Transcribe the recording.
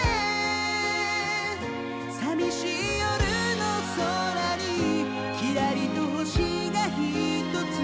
「淋しい夜の空にきらりと星がひとつ」